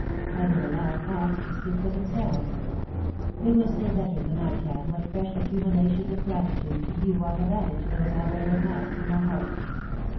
I will allow facts to speak for themselves; they will say better than I can what fresh accumulations of gratitude to you I have added to those already amassed in my heart.